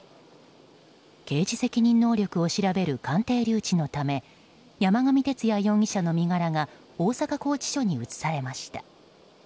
刑事責任能力を調べる鑑定留置のため山上徹也容疑者の身柄が大阪拘置所に移されました。